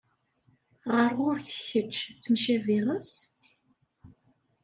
Ɣer ɣur-k kečč, ttemcabiɣ-as?